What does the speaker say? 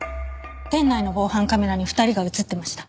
店内の防犯カメラに２人が映ってました。